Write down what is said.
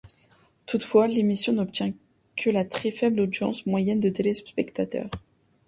Toutefois, l'émission n'obtient que la très faible audience moyenne de téléspectateurs.